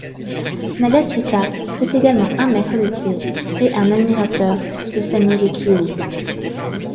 Nagachika est également un maître de thé et un admirateur de Sen no Rikyū.